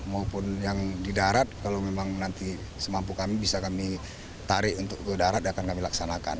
maupun yang di darat kalau memang nanti semampu kami bisa kami tarik untuk ke darat akan kami laksanakan